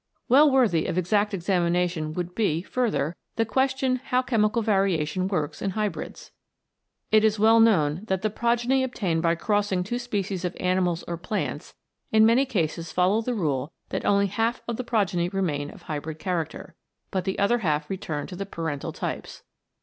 Well worthy of exact examination would be, further, the question how chemical variation works in hybrids. It is well known that the progeny obtained by crossing two species of animals or plants, in many cases follow the rule that only half the progeny remain of hybrid character, but the other half return to the parental types.